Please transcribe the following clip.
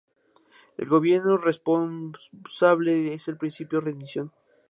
El gobierno responsable es el principio de rendición parlamentaria se manifiestan de varias formas.